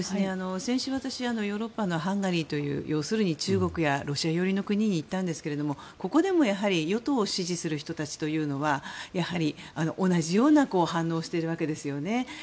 先週ヨーロッパのハンガリーという中国やロシア寄りの国に行ったんですがここでも、やはり与党を支持する人たちというのはやはり同じような反応をしているわけです。